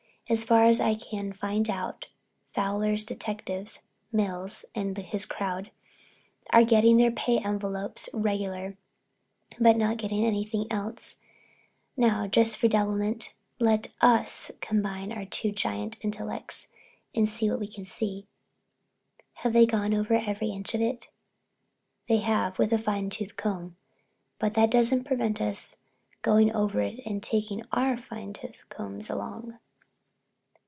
As far as I can find out Fowler's detectives—Mills and his crowd—are getting their pay envelopes regular but not getting anything else. Now—just for devilment—let us combine our two giant intellects and see what we can see." "Haven't they gone over every inch of it?" "They have—with a fine tooth comb. But that doesn't prevent us going over it and taking our fine tooth combs along."